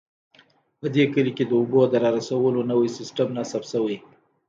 په دې کلي کې د اوبو د رارسولو نوی سیستم نصب شوی